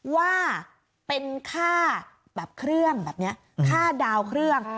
ว่าเป็นค่าแบบเครื่องแบบนี้ค่าดาวน์เครื่อง